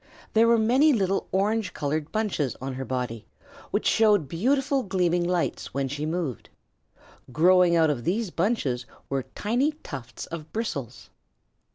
There were many little orange colored bunches on her body, which showed beautiful gleaming lights when she moved. Growing out of these bunches were tiny tufts of bristles.